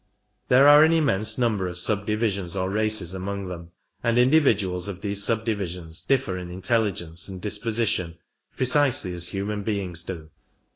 There are an immense number of subdivisions or races among them, and individuals of thesq subdivisions differ in intelligence and disposition precisely as human beings do.